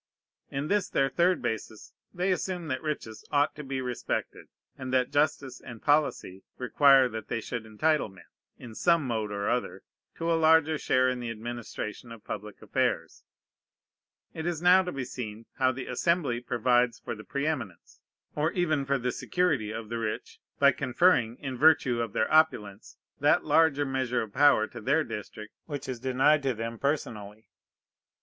In this their third basis they assume that riches ought to be respected, and that justice and policy require that they should entitle men, in some mode or other, to a larger share in the administration of public affairs; it is now to be seen how the Assembly provides for the preëminence, or even for the security of the rich, by conferring, in virtue of their opulence, that larger measure of power to their district which is denied to them personally.